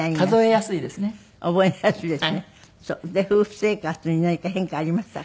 夫婦生活に何か変化はありましたか？